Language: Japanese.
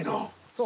そう。